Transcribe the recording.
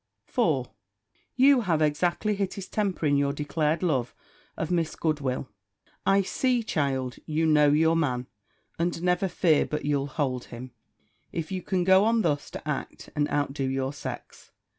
4. You have exactly hit his temper in your declared love of Miss Goodwill. I see, child, you know your man; and never fear but you'll hold him, if you can go on thus to act, and outdo your sex.